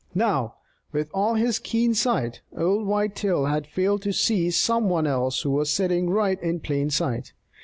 Now, with all his keen sight, old Whitetail had failed to see some one else who was sitting right in plain sight.